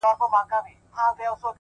o شاعره ياره ستا قربان سمه زه ـ